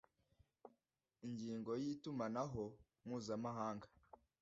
ingingo ya itumanaho mpuzamahanga